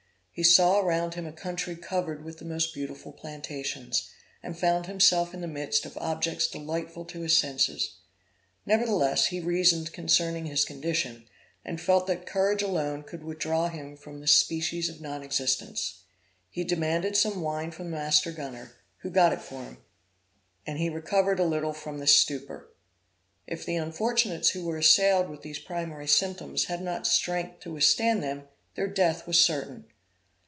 He saw around him a country covered with the most beautiful plantations, and found himself in the midst of objects delightful to his senses. Nevertheless, he reasoned concerning his condition, and felt that courage alone could withdraw him from this species of non existence. He demanded some wine from the master gunner, who got it for him, and he recovered a little from this stupor. If the unfortunates who were assailed with these primary symptoms had not strength to withstand them, their death was certain.